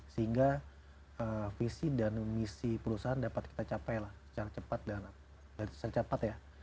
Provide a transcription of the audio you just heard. sehingga visi dan misi perusahaan dapat kita capai lah secara cepat